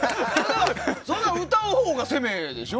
そんなの歌うほうが攻めでしょ？